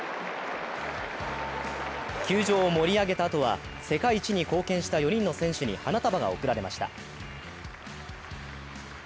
球場を盛り上げたあとは世界一に貢献した４人の選手に花束が贈られました。